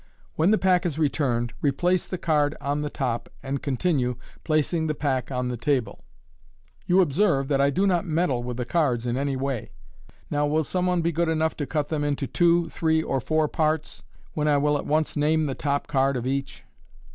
When the pack Is returned, replace the card en the top, and continue, placing the pack on the table, " You observe that I do not meddle with the cards in any way. Now will some one be good enough to cut them into two, three, or four parts, when I will at once name the top card of each."